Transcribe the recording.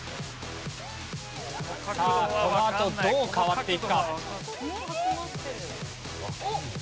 さあこのあとどう変わっていくか？